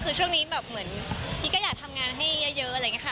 คือช่วงนี้แบบเหมือนพีชก็อยากทำงานให้เยอะอะไรอย่างนี้ค่ะ